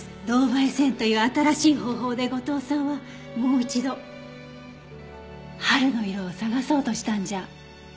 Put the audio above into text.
銅媒染という新しい方法で後藤さんはもう一度春の色を探そうとしたんじゃ。